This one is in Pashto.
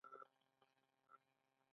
د کوچنیوالي زده کړي د کاڼي کرښي دي.